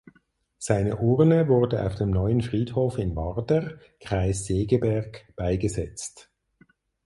Seine Urne wurde auf dem Neuen Friedhof in Warder (Kreis Segeberg) beigesetzt.